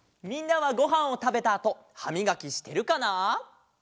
みんなはごはんをたべたあとはみがきしてるかな？